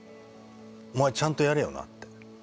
お前ちゃんとやれよなって。